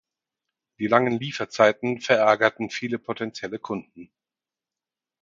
Die langen Lieferzeiten verärgerten viele potenzielle Kunden.